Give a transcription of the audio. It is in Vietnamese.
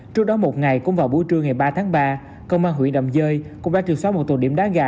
trước đó một ngày cũng vào buổi trưa ngày ba tháng ba công an huyện đầm dơi cũng đã trừ xóa một tụ điểm đá gà